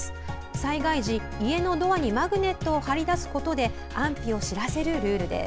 災害時、家のドアにマグネットを貼り出すことで安否を知らせるルールです。